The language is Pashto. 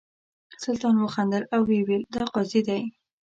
سلطان وخندل او ویل یې دا قاضي دی.